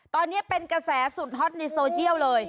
ตอนนี้เป็นกระแสสุดฮอตในโซเชียลเลย